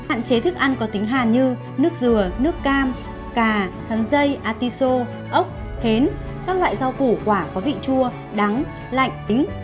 hạn chế thức ăn có tính hàn như nước dừa nước cam cà sắn dây artiso ốc hến các loại rau củ quả có vị chua đắng lạnh ý